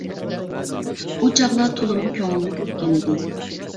ئۇ چاغلار تولىمۇ كۆڭۈللۈك ئۆتكەن ئىدى.